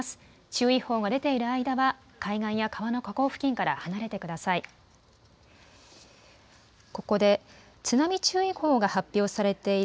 注意報が出ている間は海岸や川の河口付近から離れてください。